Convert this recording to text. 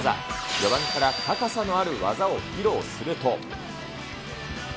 序盤から高さのある技を披露すると。